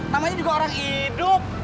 namanya juga orang hidup